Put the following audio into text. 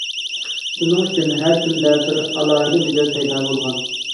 شۇنىڭ ئۈچۈن ھەر كىمدە بىر ئالاھىدە مىجەز پەيدا بولغان.